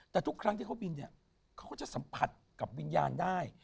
แต่ทุกครั้งที่เขาบินเนี่ยเขาก็จะสัมผัสกับวิญญาณได้